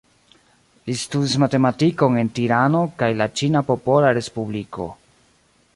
Li studis matematikon en Tirano kaj la Ĉina Popola Respubliko.